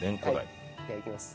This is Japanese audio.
いただきます。